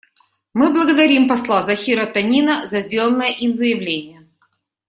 Мы благодарим посла Захира Танина за сделанное им заявление.